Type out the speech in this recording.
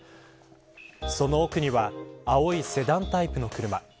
その奥には青いセダンタイプの車。